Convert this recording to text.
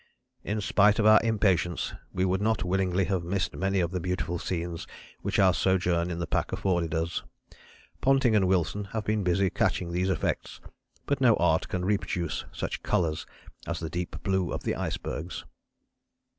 In spite of our impatience we would not willingly have missed many of the beautiful scenes which our sojourn in the pack afforded us. Ponting and Wilson have been busy catching these effects, but no art can reproduce such colours as the deep blue of the icebergs."